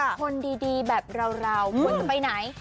ทุกคนดีแบบเรามันจะไปไหน